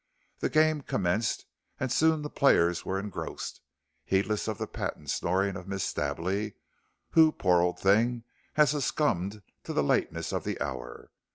The game commenced, and soon the players were engrossed, heedless of the patent snoring of Miss Stably, who, poor old thing, had succumbed to the lateness of the hour.